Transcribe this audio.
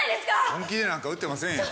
本気でなんか打ってませんよ。